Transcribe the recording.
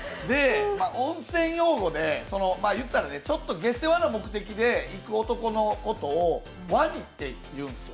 温泉用語で、言ったらちょっと下世話な目的で行く男のことをワニって言うんですよ、